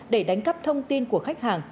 để đánh cắp thông tin của khách hàng